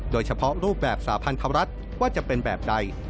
เฉพาะรูปแบบสาพันธรัฐว่าจะเป็นแบบใด